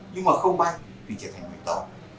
nhưng mà không may thì trở thành người tội